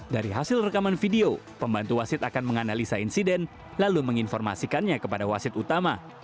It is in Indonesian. dari hasil rekaman video pembantu wasit akan menganalisa insiden lalu menginformasikannya kepada wasit utama